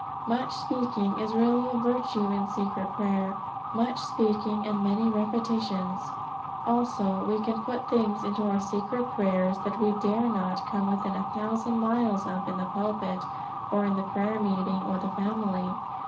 Much speaking is really a virtue in secret prayer; much speaking and many repetitions. Also, we can put things into our secret prayers that we dare not come within a thousand miles of in the pulpit, or the prayer meeting, or the family.